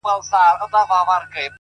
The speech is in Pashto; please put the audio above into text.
او د خپل زړه په تصور كي مي _